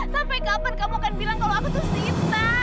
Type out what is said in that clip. sampai kapan kamu akan bilang kalau aku tuh cinta